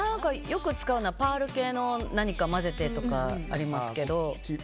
よく使うのはパール系の何かを混ぜてとかありますけど。